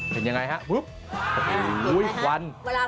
เราใส่สมุนไพรไปแล้ว